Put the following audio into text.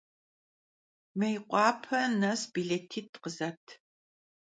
Mêykhuape nes bilêtit' khızet!